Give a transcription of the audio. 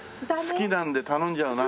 好きなんで頼んじゃうな。